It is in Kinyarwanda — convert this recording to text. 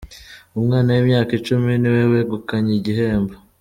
Umwana w’imyaka icumi ni we wegukanye igihembo